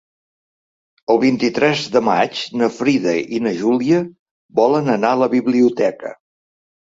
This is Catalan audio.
El vint-i-tres de maig na Frida i na Júlia volen anar a la biblioteca.